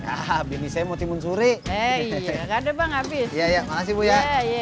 ahab ini saya mau timun suri eh ada bang abis ya ya makasih ya